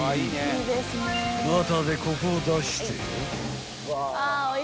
［バターでコクを出して］